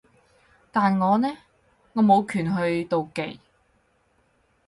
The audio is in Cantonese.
但我呢？我冇權去妒忌